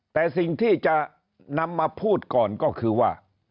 แต่สิ่งที่จะนำมาพูดก่อนก็คือว่า